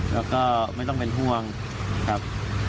แล้วก็ไม่ต้องเป็นห่วงครับ